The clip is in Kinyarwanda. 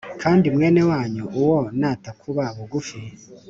Kandi mwene wanyu uwo natakuba bugufi